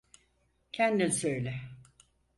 Kendin söyle.